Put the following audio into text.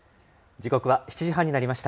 時刻は７時半になりました。